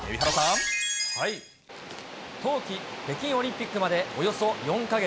冬季北京オリンピックまでおよそ４か月。